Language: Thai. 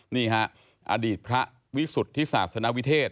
นี่ฮะอดีตพระวิสุทธิศาสนวิเทศ